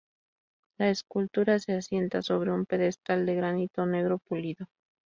La escultura se asienta sobre un pedestal de granito negro pulido.